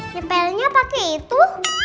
sepelnya pake itu